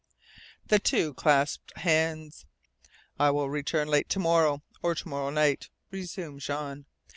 The two clasped hands. "I will return late to morrow, or to morrow night," resumed Jean.